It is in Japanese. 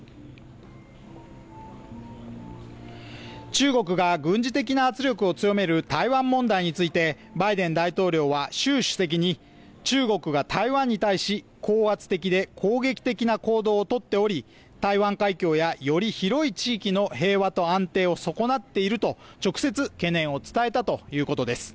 中国が軍事的な圧力を強める台湾問題についてバイデン大統領は、習主席に中国が台湾に対し高圧的で攻撃的な行動をとっており、台湾海峡やより広い地域の平和と安定を損なっていると、直接懸念を伝えたということです。